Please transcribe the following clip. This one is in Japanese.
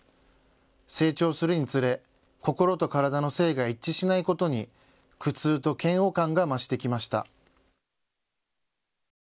成長するにつれ体と心の性が一致しないことに苦痛と嫌悪感が増してきました。